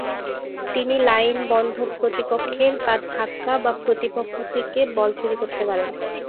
তিনি লাইন বন্ধ প্রতিপক্ষের বা ধাক্কা বা প্রতিপক্ষ থেকে বল চুরি করতে পারেন।